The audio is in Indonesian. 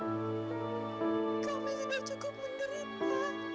kami sudah cukup menderita